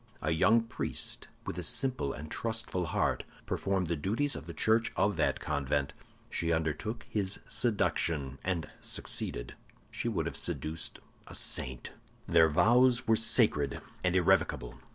A young priest, with a simple and trustful heart, performed the duties of the church of that convent. She undertook his seduction, and succeeded; she would have seduced a saint. "Their vows were sacred and irrevocable.